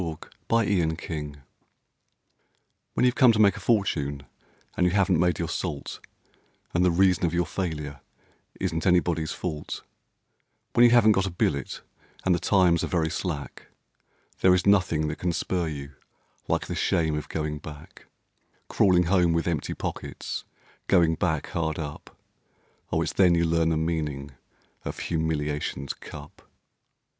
The Shame of Going Back When you've come to make a fortune and you haven't made your salt, And the reason of your failure isn't anybody's fault When you haven't got a billet, and the times are very slack, There is nothing that can spur you like the shame of going back; Crawling home with empty pockets, Going back hard up; Oh! it's then you learn the meaning of humiliation's cup.